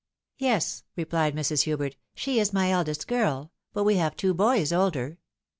" Yes,'' replied Mrs. Hubert, " she is my eldest girl ^but we have two boys older."